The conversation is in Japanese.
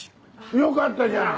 よかったじゃん！